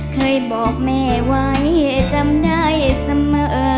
เคยบอกแม่ไว้จำได้เสมอ